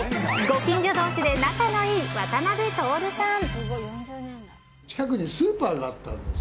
ご近所同士で仲が良い渡辺徹さん。